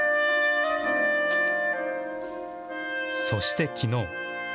そして、きのう。